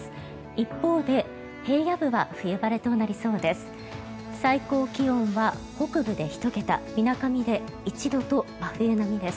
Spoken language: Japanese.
一方で、平野部は冬晴れとなりそうです。